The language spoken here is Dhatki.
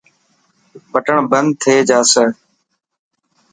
بٽڻ بند ٿي جاسي.